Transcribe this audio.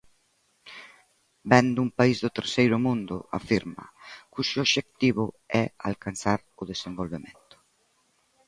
Vén dun país "do terceiro mundo", afirma, cuxo obxectivo é "alcanzar o desenvolvemento".